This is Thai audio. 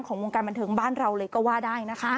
วงการบันเทิงบ้านเราเลยก็ว่าได้นะคะ